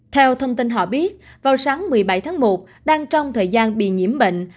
theo thông tin họ biết vào sáng một mươi bảy tháng một đang trong thời gian bị nhiễm bệnh